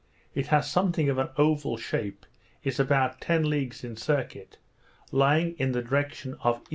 It has something of an oval shape, is about ten leagues in circuit, lying in the direction of E.